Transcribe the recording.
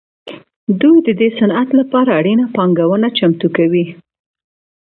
دوی د دې صنعت لپاره اړینه پانګونه چمتو کوي